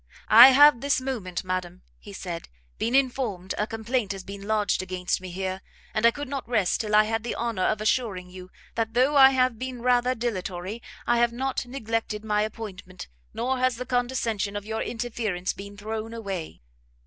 "I have this moment, madam," he said, "been informed a complaint has been lodged against me here, and I could not rest till I had the honour of assuring you, that though I have been rather dilatory, I have not neglected my appointment, nor has the condescension of your interference been thrown away."